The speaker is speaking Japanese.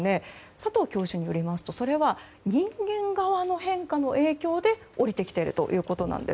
佐藤教授によりますと、それは人間側の変化の影響で下りてきているということなんです。